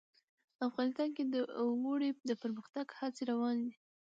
افغانستان کې د اوړي د پرمختګ هڅې روانې دي.